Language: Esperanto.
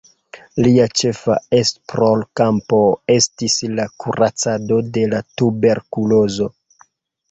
Lia ĉefa esplorkampo estis la kuracado de la tuberkulozo.